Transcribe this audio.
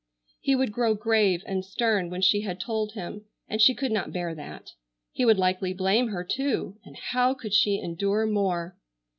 He would grow grave and stern when she had told him, and she could not bear that. He would likely blame her too, and how could she endure more?